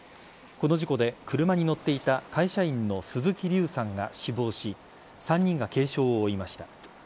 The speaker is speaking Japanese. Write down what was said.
この事故で、車に乗っていた会社員の鈴木龍さんが死亡し３人が軽傷を負いました。